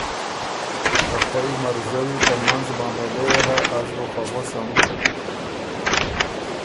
” ته خوئ مرزوی ته منځ معامېلۀ يې هۀ، از بو خه غؤسم “